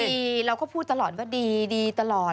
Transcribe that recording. ดีเราก็พูดตลอดว่าดีตลอด